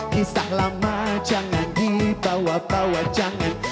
kisah lama jangan dibawa bawa jangan